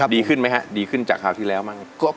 ดีขึ้นไหมฮะดีขึ้นจากคราวที่แล้วมั้ง